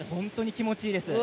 気持ちがいいです。